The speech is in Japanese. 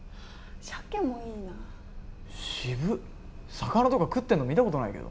魚とか食ってんの見たことないけど。